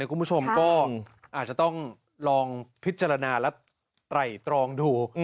ก็อาจจะต้องลองพิจารณาและไตร่ตรองดู